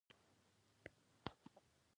دوکاندار تل انصاف کوي.